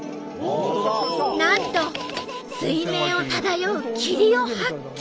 なんと水面を漂う霧を発見。